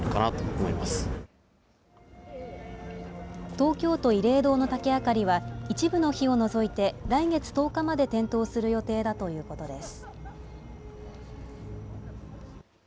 東京都慰霊堂の竹あかりは、一部の日を除いて、来月１０日まで点灯する予定だということです。